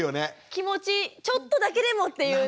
気持ちちょっとだけでもっていうね。